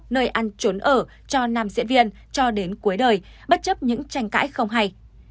nơi ăn trốn ở cho nam diễn viên cho đến cuối đời bất chấp những tranh cãi không hay